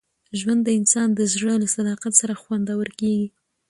ژوند د انسان د زړه له صداقت سره خوندور کېږي.